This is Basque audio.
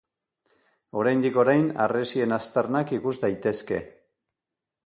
Oraindik-orain harresien aztarnak ikus daitezke.